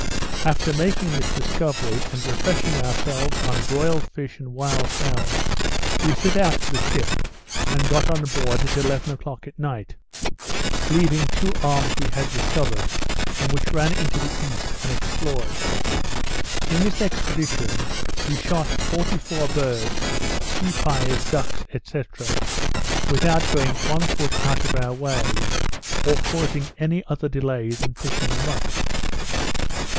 After making this discovery, and refreshing ourselves on broiled fish and wild fowl, we set out for the ship, and got on board at eleven o'clock at night, leaving two arms we had discovered, and which ran into the east, unexplored. In this expedition we shot forty four birds, sea pies, ducks, &c., without going one foot out of our way, or causing any other delay than picking them up.